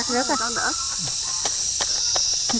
mình cắt rớt